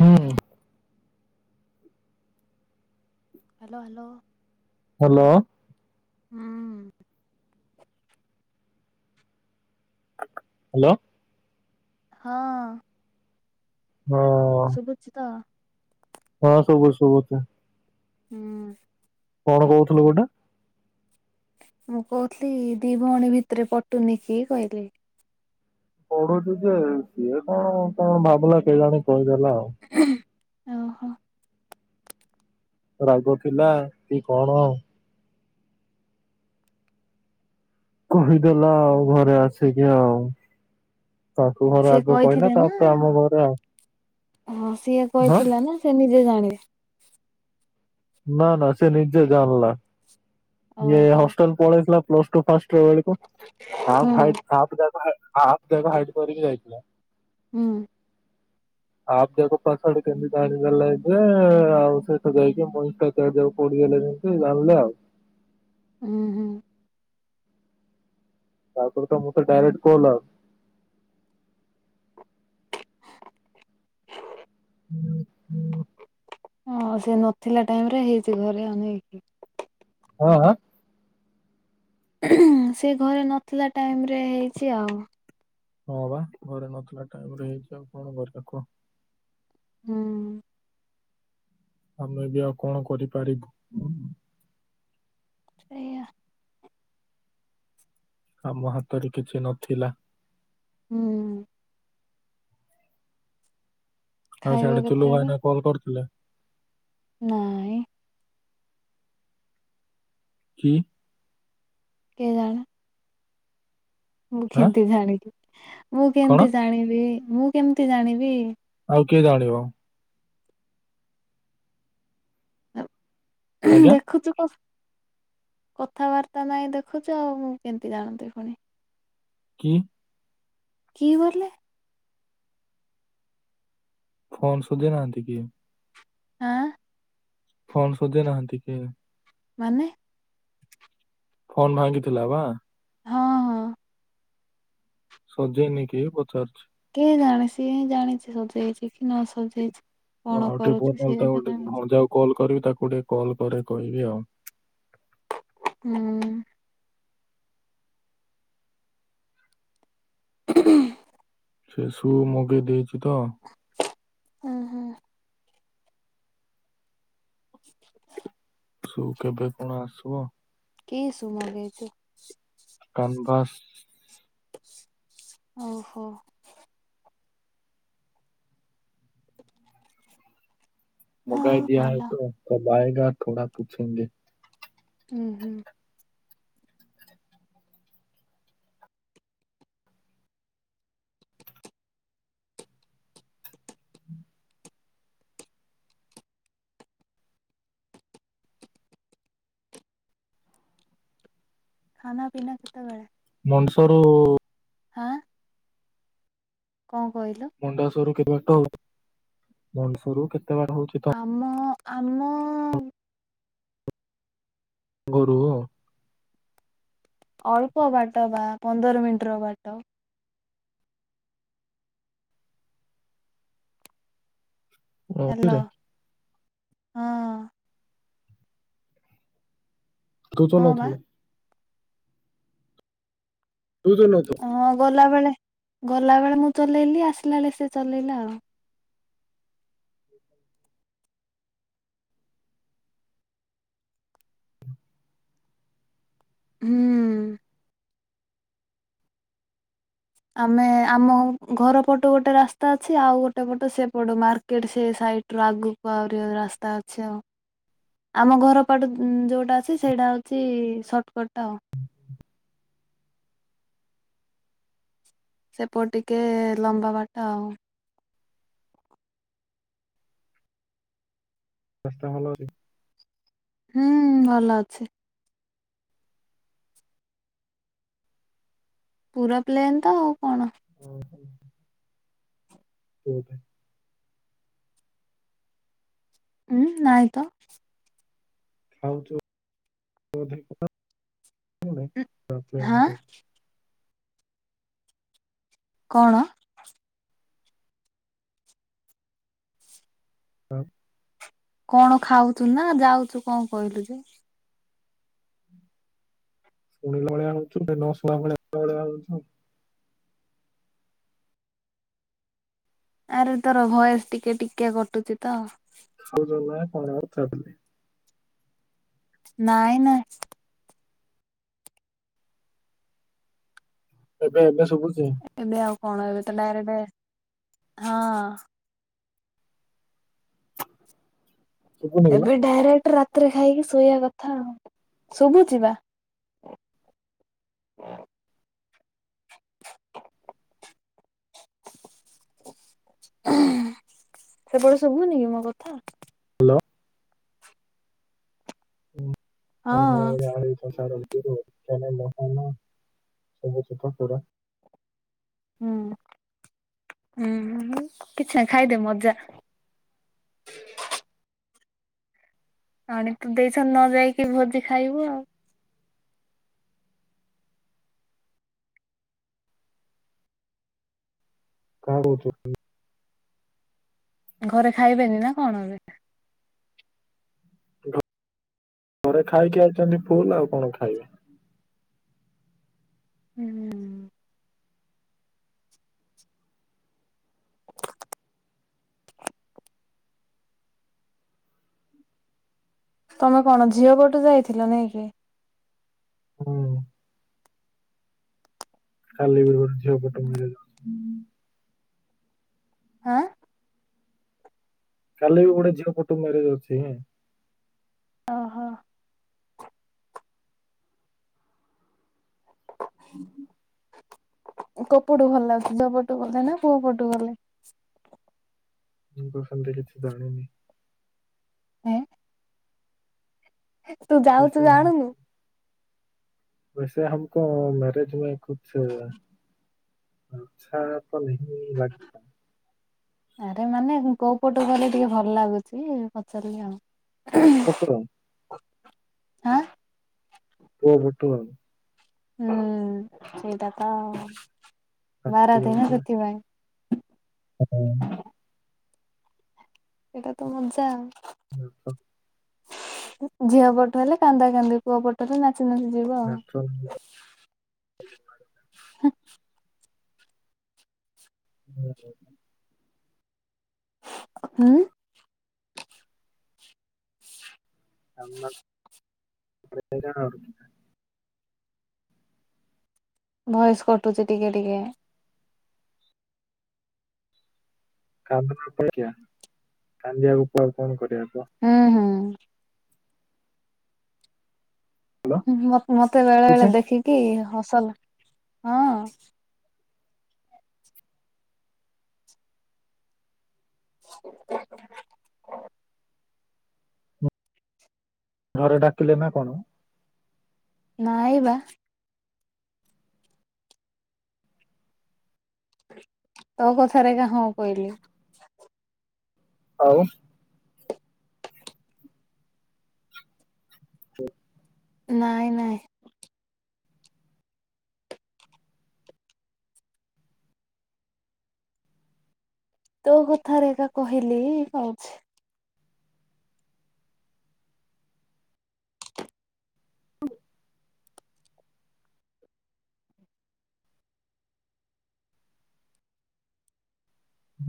ହୁଁ। Hello hello. Hello. ହୁଁ। Hello. ହଁ। ହଁ। ସୁବୁଛି ତ। ହଁ ସୁବୁ ଶୁଭୁଚି। ହୁଁ। କଣ କହୁଥିଲୁ ଗୋଟେ। ମୁଁ କହୁଥିଲି ଦି ଭଉଣୀ ଭିତରେ ପଟୁନି କିି କହିଲି। ପଡୁଜି ଯେ ସିଏ କଣ କଣ ଭାବିଲା କେୟାଣି କହିଦେଲା ଆଉ। ଓହୋ। ରାଗ ଥିଲା କି କଣ। କହିଦେଲା ଆଉ ଘରେ ଆସିକି ଆଉ। ତାଙ୍କ ଘରେ ସିଏ ଆଗ କହିଲା କହିଥିଲେ ନା ତାପରେ ଆମ ଘରେ ଆଉ। ହଁ ସିଏ ହଁ କହିଥିଲା ନା ସେ ନିଜେ ଜାଣି ନା ନା ସିଏ ନିଜେ ଜାଣିଲା ଇଏ ଓହୋ। ହଷ୍ଟେଲ ପଲେଇଥିଲା ପ୍ଲସ ଟୁ ଫାସ ହୁଁ [unintelligible] ହୁଁ। [unintelligible] ସେ ଯଉ ପଢ଼ିଦେଲେ ଯେମତି ଜାଣିଲେ ଆଉ। ହୁଁ। ହୁଁ। ତାପରେ ତ ମୁଁ ତ ଡାଇରେକ୍ଟ କହିଲ ଆଉ। [inaudible] ହଁ ସେ ନଥିଲା ଟାଇମ ରେ ହେଇଛି ଘରେ ଆ ନାଇକି। ହଁ ଆଁ। ସେ ଘରେ ନଥିଲା ଟାଇମ ରେ ହେଇଛି ଆଉ। ହଁ ବା ଘରେ ନଥିଲା ଟାଇମ ରେ ହେଇଛି ଆଉ କଣ କରିବା କୁହ। ହୁଁ। ଆମେ ବି ଆଉ କଣ କରିପାରିବୁ। ସେଇଆ। ଆମ ହାତରେ କିଛି ନଥିଲା। ହୁଁ। ଆଉ ଖାଇବ ସିଆଡୁ ଚୁଲୁ କେତେବେଳେ ଭାଇନା କଲ କରିଥିଲେ। ନାଇଁ। କି। କେଜାଣି। ମୁଁ ଆଁ କେମିତି ଜାଣିବି ମୁଁ କଣ କେମତି ଜାଣିବି ମୁଁ କେମତି ଜାଣିବି। ଆଉ କିଏ ଜାଣିବ। ଆଜ୍ଞା ଦେଖୁଚୁ କ କଥାବାର୍ତ୍ତା ନାଇଁ ଦେଖୁଛୁ ଆଉ ମୁଁ କେମିତି ଜାଣନ୍ତି ପୁଣି। ହୁଁ। କି କରଲେ। ଫୋନ ସୁଜି ନାହାନ୍ତି କି। ଆଁ। ଫୋନ୍ ସଜେଇ ନାହାନ୍ତି କି? ମାନେ ଫୋନ୍ ଭାଙ୍ଗିଥିଲା ବା। ହଁ ହଁ ସଜେଇନି କି ପଚାରୁଛି? କିଏ ଜାଣେ ସିଏ ହିଁ ଜାଣିଛି ସଜେଇଛି କି ନ ସଜେଇଛି? କଣ ଆଉ ଟିକେ ପ କରୁଛି ନହେଲେ ସେ ଏକା ତାଙ୍କୁ ଜାଣିଛି ଭଣଯାକୁ କଲ୍ କରିବି ତାକୁ ଟିକେ କଲ୍ କରେ କହିବି ଆଉ ହୁଁ। ହଁ ହୁଁ ସେସୁ ମଗେଇ ଦେଇଛି ତ। ହୁଁ ହୁଁ। ସୁ କେବେ କଣ ଆସିବ? କେ ସୁମରେଛୁ? କାନଭାସ। ଓହୋ। ମଗାଇ ହଉ ଦିଆ ଭଲ ହେଇଥିଲା ତବ ଆଏଗା ଥୋଡ଼ା ପୁଛେଙ୍ଗେ। ହୁଁ ହୁଁ। ଖାନା ପିନା କେତେବେଳେ? ମଣିଷ ରୁ ହା। କଣ କହିଲ? ମଣ୍ଡାସରୁ କେତେ ବାଟ ମଣ୍ଡାସରୁ କେତେ ବାଟ ହଉଛି ତମ ଆମ ଆମ ଗୋରୁ ଅଳ୍ପ ବାଟ ବା ପନ୍ଦର ମିନିଟ ର ବାଟ। ହାଲୋ କିରେ ହଁ। ତୁ ହଁ ବା ଚଲଉଥିଲୁ? ତୁ ଚଳଉଥୁ ହଁ ଗଲାବେଳେ ଗଲାବେଳେ ମୁଁ ଚଲେଇଲି ଆସିଲା ବେଳେ ସେ ଚଲେଇଲା ଆଉ ହୁଁ। ଆମେ ଆମ ଘର ପଟୁ ଗୋଟେ ରାସ୍ତା ଅଛି ଆଉ ଗୋଟେ ପଟ ସେପଟୁ ମାର୍କେଟ ସେ ସାଇଡ୍ ଟ୍ରାକ ଉପରି ରାସ୍ତା ଅଛି ଆଉ ଆମ ଘର ପଟ ଯୋଉଟା ଅଛି ସେଇଟା ହଉଛି ସର୍ଟକଟ ଟା ଆଉ ସେପଟେ ଟିକେ ଲମ୍ବା ବାଟ ଆଉ ରାସ୍ତା ଭଲ ଅଛି? ହୁଁ ଭଲ ଅଛି। ପୁରା ପ୍ଲେନ୍ ତ ଆଉ କଣ? ଓହୋ ବୋଧେ। ହୁଁ ନାଇ ତ। ଉଁ ହାଁ [inaudible] କଣ? ଆଉ କଣ ଖାଉଛୁ ନା ଗାଉଛୁ କଣ କହିଲୁ ଯେ? ଶୁଣିଲା ଭଳିଆ ହଉଚୁ ନଶୁଣିଲା ଭଳିଆ ଭଳିଆ ହଉଚୁ ଆରେ ତୋର ଭଏସ ଟିକେ ଟିକେ କଟୁଛି ତ ଖାଉଛନ୍ତି ନା କଣ ପଚାରୁଥିଲି? ନାଇ ନାଇ। ଏବେ ଏବେ ଶୁଭୁଛି? ଏବେ ଆଉ କଣ ଏବେ ତ ଡାଇରେକ୍ଟେ ହଁ। ଶୁଭୁନି କିଲୋ ଏବେ ଡାଇରେକ୍ଟ ରାତିରେ ଖାଇକି ଶୋଇବା କଥା ଆଉ ଶୁଭୁ ଚି ବା। ସେପଟେ ଶୁଭୁନି କି ମୋ କଥା? ଲୋ। [unintelligible] ହଁ [unintelligible] ଛି ତ ପୁରା। ହୁଁ, ହୁଁ, କିଛି ନାଇ ଖାଇଦେ, ମଜା! ଆଣି ତୁ ଦେଇଛନ, ନ ଯାଇକି ଭୋଜି ଖାଇବୁ ଆଉ। [inaudible] ଘରେ ଖାଇବେନି ନା କଣ ଏବେ? ଘରେ ଖାଇକି ଆଇଛନ୍ତି ଫୁଲ୍, ଆଉ କଣ ଖାଇବେ? ହୁଁ। ତମେ କଣ ଝିଅ ପଟୁ ଯାଇଥିଲ ନାଇଁ କି? ହୁଁ। କାଲି ବି ଗୋଟେ ଝିଅ ପଟୁ ମୁଁ ଯାଇ ହାଁ। କାଲି ବି ଗୋଟେ ଝିଅ ପଟୁ ମ୍ୟାରେଜ୍ ଅଛି ହେଁ। ଓହୋ। ହୁଁ, ହୁଁ। କଉପଟୁ ଭଲ ଲାଗୁଛି? ଝିଅ ପଟୁ ଗଲେ ନା, ପୁଅ ପଟୁ ଗଲେ? ମୁଁ ତ୍ ସେମିତି କିଛି ଜାଣିନି। ହେଁ। ତୁ ଯାଉଛୁ ଜାଣିନୁ? ବେସେ ହମକୋ ମ୍ୟାରେଜ୍ ମେ କୁଛ୍ ଆଚ୍ଛା ତ ନେହିଁ ଲାଗତା। ଆରେ ମାନେ କୋଉ, ପଟୁ ଗଲେ ଟିକେ ଭଲ ଲାଗୁଛି, ପଚାରିଲି ଆଉ। ପୋଟଳ ଆଁ। ପୁଅ ପଟୁ ଆଉ। ହୁଁ, ସେଇଟା ତ ଆଉ। ବାରାତ ନା ସେଥିପାଇଁ। ହୁଁ। ଏଇଟା ତ ମଜା ଆଉ। [unintelligible] ଝିଅ ପଟୁ, ହେଲେ କାନ୍ଦା କାନ୍ଦି, ପୁଅ ପଟ ହେଲେ ନାଚି ନାଚି ଯିବ ଆଉ। [unintelligible] ହୁଁ। ହୁଁ। ସାମନାକୁ, ଥରେ ହଇରାଣ ଆଉ ଭୟସ୍ କଟୁଛି ଟିକେ ଟିକେ। କାନ୍ଦୁ ନଥେ କିଆ? କାନ୍ଦିିବାକୁ କୁଆରେ କଣ କରିବା କୁହ? ହୁଁ ହୁଁ। ହ୍ୟାଲୋ ମତେ ବେଳେ ବେଳେ ଶୁଣୁଛେ ଦେଖିକି ହସ ଲା, ହଁ। ଘରେ ଡାକିଲେ, ନା କଣ? ନାଇ ବା। ତୋ କଥାରେ ଗା ହଁ କହିଲି। ଆଉ ସେ ନାଇଁ ନାଇଁ। ତୋ କଥାରେ କା କହିଲି କଉଛି।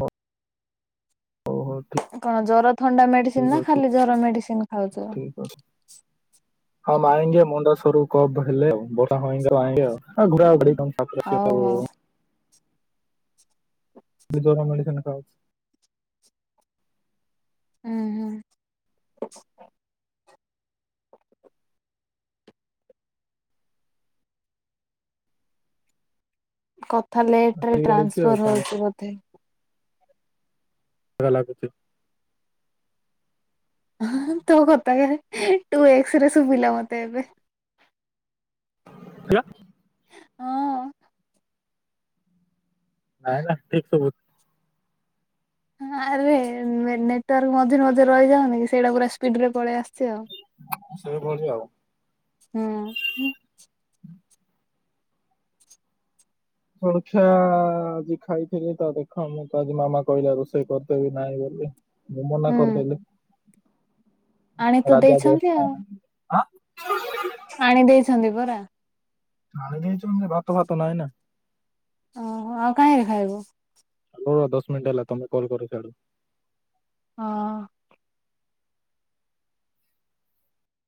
ବ୍ ହ ହୋ ଠିକ୍। କଣ ଜର ଥଣ୍ଡା ମେଡିସିନ୍ ନା, ଖାଲି ଜର ମେଡିସିନ୍ ଖାଉଛ? ହଁମ୍ ଆଏଙ୍ଗେ ମୁଣ୍ଡ ସରରୁ କ ଵହେଲେ [unintelligible] ସ ହଉ ହଉ [unintelligible] ବି ଜର ମେଡିସିନ ଖାଉଛି। ହୁଁ ହୁଁ। କଥା ଲେଟରେ ହେଇଯାଇଛି ଆଉ ଟ୍ରାନ୍ସଫର କାଇଁ ହଉଛି ବୋଧେ ଏରା ଲାଗୁଚି। ତୋ କଥା କାଇଁ ଟୁ ଏକ୍ସରେ ଶୁଭିଲା ମତେ ଏବେ ହାଲୋ। ହଁ। ନାଇଁ ନା ଠିକ୍ ସବୁ। ହଁ ଆରେ ମେନେଟର ମଝିରେ ମଝିରେ ରହିଯାଉନ କି ସେଇଟା ପୁରା ସ୍ପିଡ ରେ ପଳେଇ ଆସ ସେ ଭଳିଆ ଆଉ ହୁଁ। ଜଳଖିଆ ଆଜି ଖାଇଥିଲି ତ ଦେଖ ତ ଆଜି ମାମା କହିଲା ରୋଷେଇ କରିଦେବି ନାହିଁ ବୋଲି। ମୁଁ ମନା ହୁଁ କରିଦେଲି ଆଣି ତ ରାଜା ଦେଇଛନ୍ତି [unintelligible] ପାାଣି ଦେଇଛନ୍ତି ପରା। ଆଣି ଦେଇ ଯେ ଭାତ ଭାତ ନାଇଁ ନା ଓହୋ ଆଉ କାହିଁରେ ଖାଇବୁ ହ ଦଶ ମିନିଟ ହେଲା ତମେ କଲ କରଛଆଡୁ। ହଁ।